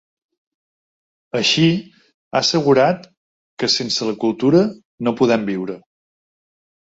Així, ha assegurat que “sense la cultura no podem viure”.